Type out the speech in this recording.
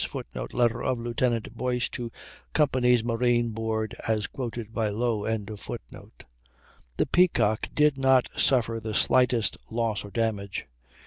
[Footnote: Letter of Lieut. Boyce to Company's Marine Board, as quoted by Low.] The Peacock did not suffer the slightest loss or damage.